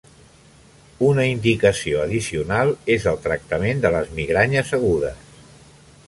Una indicació addicional és el tractament de les migranyes agudes.